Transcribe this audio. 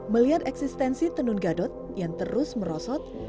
melihat eksistensi tenun gadot yang terus merosot